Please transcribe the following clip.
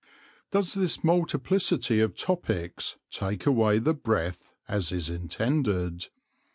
Does this multiplicity of topics take away the breath, as is intended?